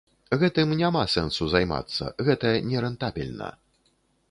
Гэтым няма сэнсу займацца, гэта нерэнтабельна.